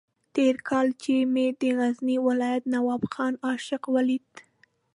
تېر کال چې مې د غزني ولایت نواب خان عاشق ولید.